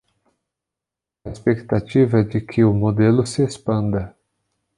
A expectativa é de que o modelo se expanda